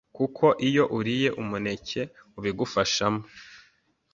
kuko iyo uriye umuneke ubigufashamo